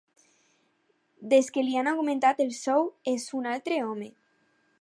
Des que li han augmentat el sou és un altre home.